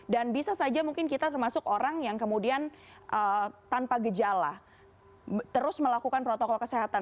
bisa saja mungkin kita termasuk orang yang kemudian tanpa gejala terus melakukan protokol kesehatan